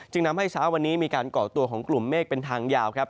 ทำให้เช้าวันนี้มีการก่อตัวของกลุ่มเมฆเป็นทางยาวครับ